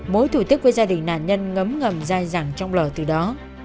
mối thủ tức với gia đình nạn nhân ngấm ngầm dài dẳng trong lở từ đó